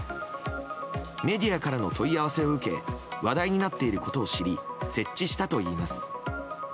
メディアからの問い合わせを受け話題になっていることを知り設置したといいます。